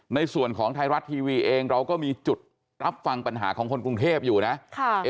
ในส่วนของไทยรัฐทีวีเองเราก็มีจุดรับฟังปัญหาของคนกรุงเทพอยู่นะ